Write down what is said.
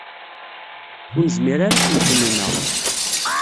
Ur nezmir ara ad tent-nneɣ.